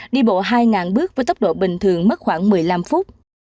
đi bộ hai bước với tốc độ bình thường mất khoảng một mươi năm phút